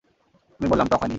আমি বললাম, টক হয়নি।